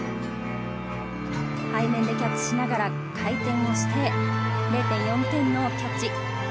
背面でキャッチしながら回転をして０．４点の価値。